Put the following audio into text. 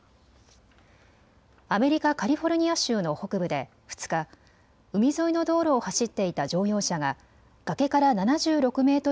アメリカカリフォルニア州の北部で２日、海沿いの道路を走っていた乗用車が崖から７６メートル